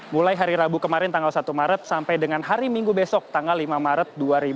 mulai hari rabu kemarin tanggal satu maret sampai dengan hari minggu besok tanggal lima maret dua ribu dua puluh